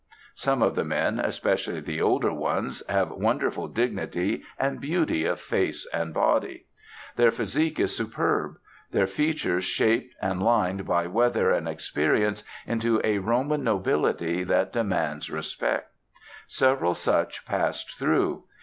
Some of the men, especially the older ones, have wonderful dignity and beauty of face and body. Their physique is superb; their features shaped and lined by weather and experience into a Roman nobility that demands respect. Several such passed through.